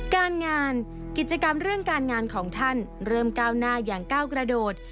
การงานกิจกรรมเรื่องการงานของท่านเริ่มก้าวหน้าอย่างก้าวกระโดด